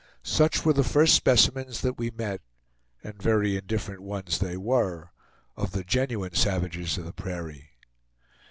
Such were the first specimens that we met and very indifferent ones they were of the genuine savages of the prairie.